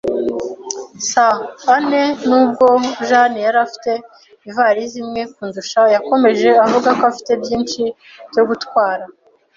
[S] [Jane] Nubwo Jane yari afite ivarisi imwe kundusha, yakomeje avuga ko afite byinshi byo gutwara.